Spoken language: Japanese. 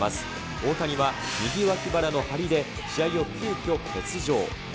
大谷は右脇腹の張りで試合を急きょ欠場。